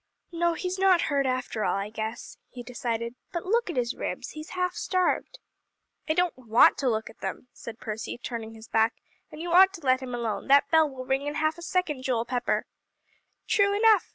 "No, he's not hurt, after all, I guess," he decided, "but look at his ribs, he's half starved." "I don't want to look at them," said Percy, turning his back, "and you ought to let him alone; that bell will ring in half a second, Joel Pepper!" "True enough!"